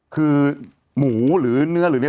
คือหมูหรือเนื้อหรืออะไร